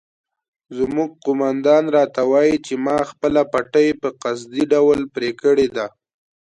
زموږ قومندان راته وایي چې ما خپله پټۍ په قصدي ډول پرې کړې ده.